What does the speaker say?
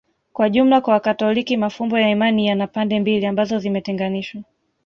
Kwa jumla kwa Wakatoliki mafumbo ya imani yana pande mbili ambazo zimetenganishwa